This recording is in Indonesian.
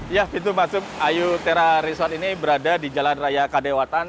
ya pintu masuk ayu tera resort ini berada di jalan raya kadewatan